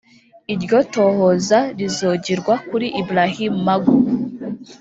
Iryo tohoza rizogirwa kuri Ibrahim Magu